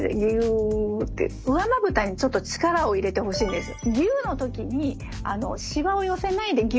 上まぶたにちょっと力を入れてほしいんですよ。